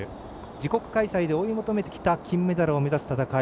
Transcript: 自国開催で追い求めてきた金メダルを目指す戦い。